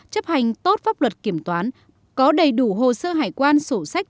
chấp hành tốt pháp luật kiểm toán có đầy đủ hồ sơ hải quan sổ sách